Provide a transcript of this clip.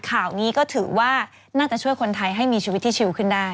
ข่าวนี้ก็ถือว่าน่าจะช่วยคนไทยให้มีชีวิตที่ชิวขึ้นได้